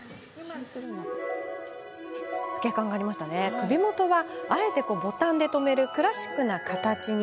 首元はあえてボタンで留めるクラシックな形に。